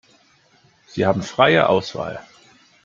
Sie haben freie Auswahl.